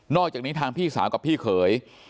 อกจากนี้ทางพี่สาวกับพี่เขย